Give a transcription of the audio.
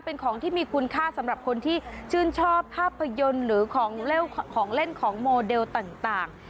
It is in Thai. เป็นของที่มีคุณค่าสำหรับคนที่ชื่นชอบภาพยนตร์หรือของเล่นของโมเดลต่าง